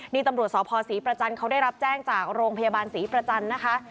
นี่ตำรวจสพศรีประจันทร์เขาได้รับแจ้งจากโรงพยาบาลศรีประจันทร์นะคะ